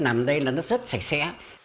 nằm đây là nó rất sạch sẽ